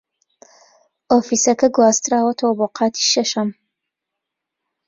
ئۆفیسەکە گواستراوەتەوە بۆ قاتی شەشەم.